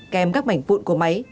kèm các mảnh vụn của máy